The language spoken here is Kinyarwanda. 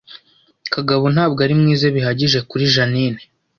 Kagabo ntabwo ari mwiza bihagije kuri Jeaninne